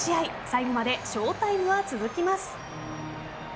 最後までショータイムは続きます。